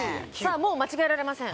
もう間違えられません